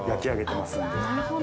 なるほど。